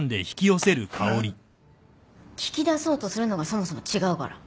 聞き出そうとするのがそもそも違うから。